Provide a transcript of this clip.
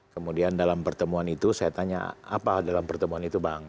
kemudian dalam pertemuan itu saya tanya apa dalam pertemuan itu bang